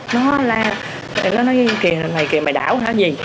nó la nó nói kìa này kìa mày đảo hả gì